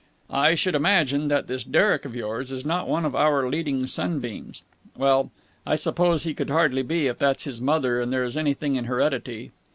"I should imagine that this Derek of yours is not one of our leading sunbeams. Well, I suppose he could hardly be, if that's his mother and there is anything in heredity."